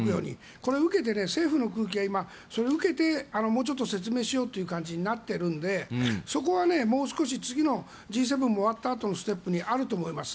これを受けて政府の空気がもうちょっと説明しようという感じになっているのでそこは次のＧ７終わったあとのステップにあると思います。